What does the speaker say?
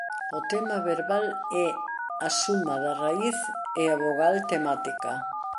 O tema verbal é a suma da raíz e a vogal temática.